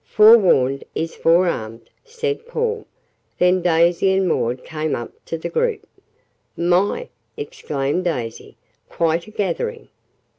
"Forewarned is forearmed," said Paul. Then Daisy and Maud came up to the group. "My!" exclaimed Daisy. "Quite a gathering."